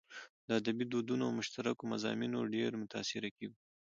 له ادبي دودونو او مشترکو مضامينو ډېر متاثره کېږو.